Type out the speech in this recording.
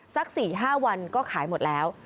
สัก๔๕วันก็ขายหมดแล้ว